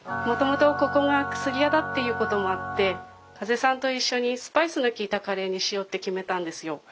もともとここが薬屋だっていうこともあって風さんと一緒にスパイスの効いたカレーにしようって決めたんですよ。